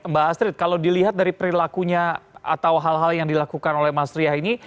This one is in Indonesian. mbak astrid kalau dilihat dari perilakunya atau hal hal yang dilakukan oleh mas ria ini